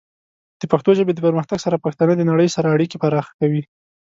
د پښتو ژبې د پرمختګ سره، پښتانه د نړۍ سره اړیکې پراخه کوي.